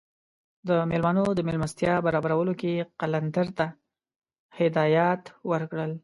د میلمنو د میلمستیا برابرولو کې یې قلندر ته هدایات ورکړل.